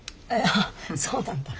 ああそうなんだ。